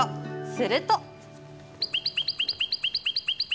すると。